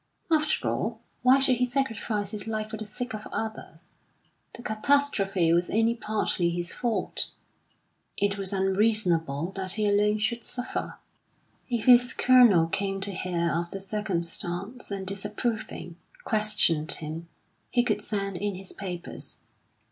After all, why should he sacrifice his life for the sake of others? The catastrophe was only partly his fault; it was unreasonable that he alone should suffer. If his Colonel came to hear of the circumstance, and disapproving, questioned him, he could send in his papers.